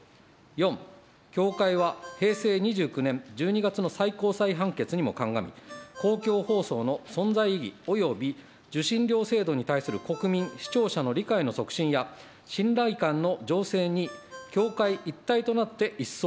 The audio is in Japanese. ４、協会は平成２９年１２月の最高裁判決にも鑑み、公共放送の存在意義および受信料制度に対する国民、視聴者の理解の促進や、信頼感の醸成に協会一体となって一層努めること。